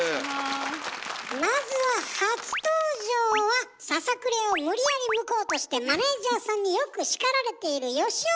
まずはささくれを無理やりむこうとしてマネージャーさんによく叱られているはい。